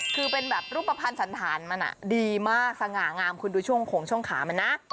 คือเป็นแบบรูปภัณฑ์สันธารมันดีมากสง่างามคุณดูช่วงโขงช่วงขามันนะ